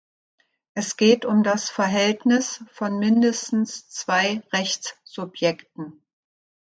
Es geht um das Verhältnis von mindestens zwei Rechtssubjekten.